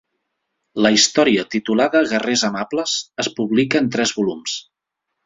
La història, titulada "Guerrers amables", es publica en tres volums.